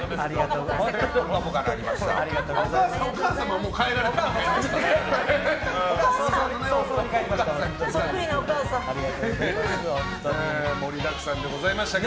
お母様はもう帰られたんですね。